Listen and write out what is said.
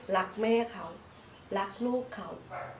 รักแม่เขารักลูกเขา